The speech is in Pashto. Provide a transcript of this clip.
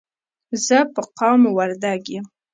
زه په قوم وردګ یم.